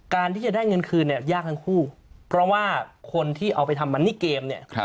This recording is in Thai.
การที่จะได้เงินคืนเนี่ยยากทั้งคู่เพราะว่าคนที่เอาไปทำมันนี่เกมเนี่ย